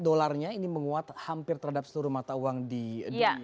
dolarnya ini menguat hampir terhadap seluruh mata uang di dunia